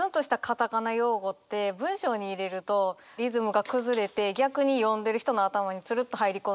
カタカナ用語って文章に入れるとリズムが崩れて逆に読んでる人の頭につるっと入り込んできたりするから。